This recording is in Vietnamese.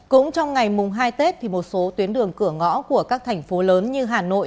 cũng trong ngày hai tết một số tuyến đường cửa ngõ của các thành phố lớn như hà nội